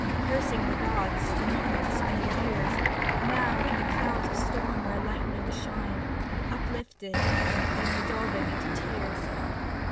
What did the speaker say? Cursing the Gods, the moments and the years, Now like the clouds of storm, where lightnings shine. Uplifted, then resolving into tears.